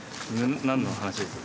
何の話ですか？